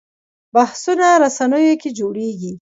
بحثونه رسنیو کې جوړېږي